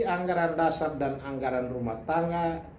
anggaran dasar dan anggaran rumah tangga